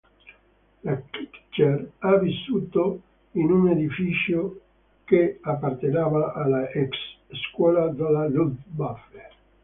Là Kircher ha vissuto in un edificio che apparteneva alla ex scuola della Luftwaffe.